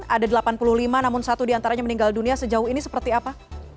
ada delapan puluh lima namun satu diantaranya meninggal dunia sejauh ini seperti apa